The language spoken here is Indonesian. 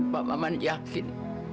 pak maman yakin